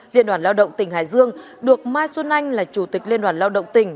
liên đoàn lao động tỉnh hải dương được mai xuân anh là chủ tịch liên đoàn lao động tỉnh